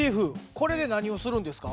これで何をするんですか？